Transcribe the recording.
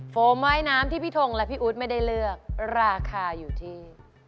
โมว่ายน้ำที่พี่ทงและพี่อู๊ดไม่ได้เลือกราคาอยู่ที่